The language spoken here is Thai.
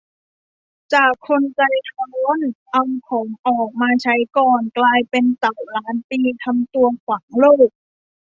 จากคนใจร้อน เอาของออกมาใช้ก่อน กลายเป็นเต่าล้านปี ทำตัวขวางโลก